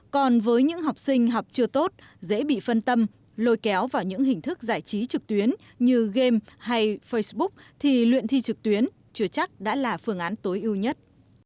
còn với những học sinh học chưa tốt dễ bị phân tâm lôi kéo vào những hình thức giải trí trực tuyến như game hay facebook thì luyện thi trực tuyến chưa chắc đã là phương án tối ưu nhất